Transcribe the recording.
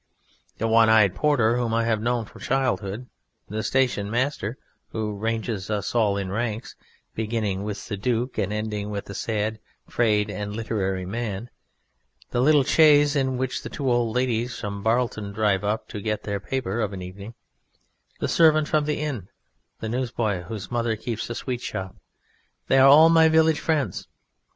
The one eyed porter whom I have known from childhood; the station master who ranges us all in ranks, beginning with the Duke and ending with a sad, frayed and literary man; the little chaise in which the two old ladies from Barlton drive up to get their paper of an evening, the servant from the inn, the newsboy whose mother keeps a sweetshop they are all my village friends.